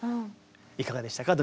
いかがでしたか？